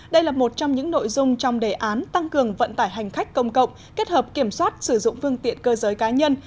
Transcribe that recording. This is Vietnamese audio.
đây là một trong những nội dung trong đề án tăng cường vận tải hành khách công cộng kết hợp kiểm soát sử dụng phương tiện cơ giới cá nhân